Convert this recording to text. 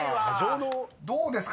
［どうですかね？